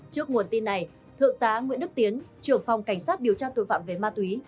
trước nguồn tin này thượng tá nguyễn đức tiến trưởng phòng cảnh sát điều tra tội phạm về ma túy